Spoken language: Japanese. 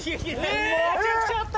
えっ！？